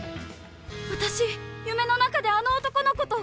私、夢の中で、あの男の子と。